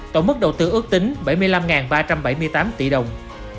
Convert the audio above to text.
tổng mức đầu tư ước tính bảy mươi năm ba trăm bảy mươi tám tỷ đồng